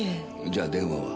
じゃあ電話は？